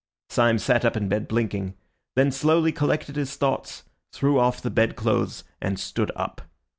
Syme sat up in bed blinking; then slowly collected his thoughts, threw off the bed clothes, and stood up.